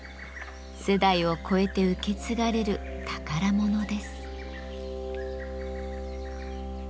世代を超えて受け継がれる宝物です。